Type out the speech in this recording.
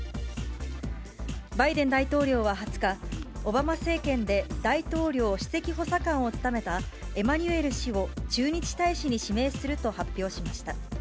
バイデン大統領は２０日、オバマ政権で大統領首席補佐官を務めたエマニュエル氏を、駐日大使に指名すると発表しました。